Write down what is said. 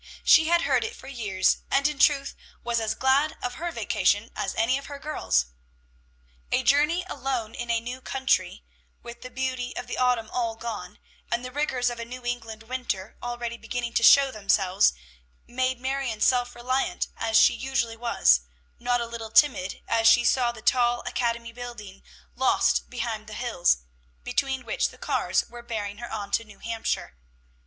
She had heard it for years, and, in truth, was as glad of her vacation as any of her girls. A journey alone in a new country, with the beauty of the autumn all gone, and the rigors of a New England winter already beginning to show themselves, made Marion, self reliant as she usually was, not a little timid as she saw the tall academy building lost behind the hills, between which the cars were bearing her on to New Hampshire.